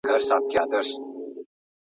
د خلګو په عيبونو پسې مه ګرځئ.